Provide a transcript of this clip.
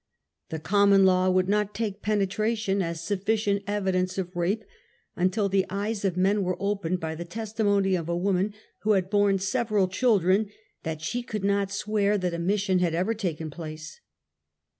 The common law would not take penetration as sufficient evidence of rape, until the eyes of men were opened by the testimony of a woman who had borne several children that "she could not swear that / emission had ever taken place."